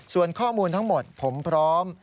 ส่วนข้อมูลทั้งหมดผมพร้อม